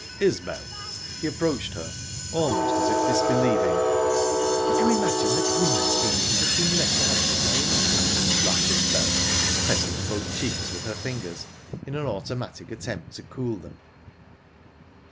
"Isbel!" He approached her, almost as if disbelieving. "Did you imagine that women's feelings had been left out of my anatomy?" laughed Isbel, pressing both cheeks with her fingers in an automatic attempt to cool them.